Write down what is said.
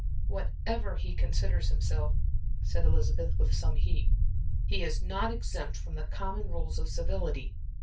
"Whatever he considers himself," said Elizabeth, with some heat, "he is not exempt from the common rules of civility.